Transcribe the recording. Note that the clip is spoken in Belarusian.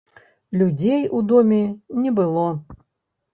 Людзей у доме не было.